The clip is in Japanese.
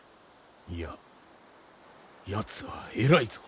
いややつは偉いぞ。